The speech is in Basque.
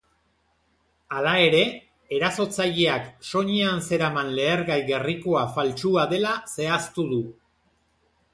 Hala ere, erasotzaileak soinean zeraman lehergai gerrikoa faltsua dela zehaztu du.